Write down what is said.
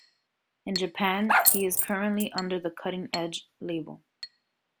In Japan, he is currently under the Cutting Edge label.